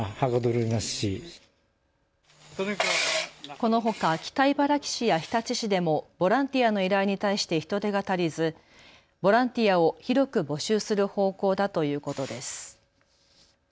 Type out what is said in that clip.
このほか北茨城市や日立市でもボランティアの依頼に対して人手が足りずボランティアを広く募集する方向だということです。